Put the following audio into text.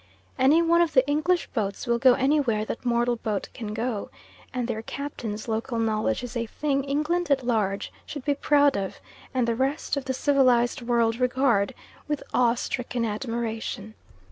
Any one of the English boats will go anywhere that mortal boat can go; and their captains' local knowledge is a thing England at large should be proud of and the rest of the civilised world regard with awe stricken admiration.